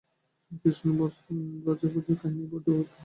কৃষ্ণ ও ব্রজগোপিকাদের কাহিনী এই পর্যায়ভুক্ত।